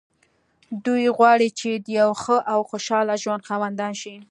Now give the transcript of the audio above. دوی غواړي چې د يوه ښه او خوشحاله ژوند خاوندان شي.